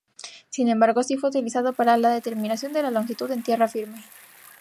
Sin embargo, sí fue utilizado para la determinación de la longitud en tierra firme.